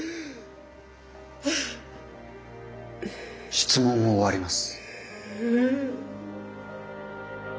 質問を終わります。